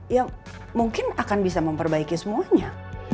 ya mungkin akan bisa memperbaiki semuanya